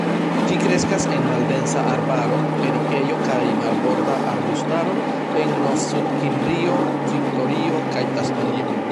Ĝi kreskas en maldensa arbaro, erikejo kaj marborda arbustaro en Novsudkimrio, Viktorio, kaj Tasmanio.